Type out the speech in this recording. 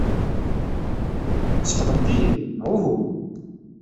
Tesxedmeḍ-iyi, neɣ uhu?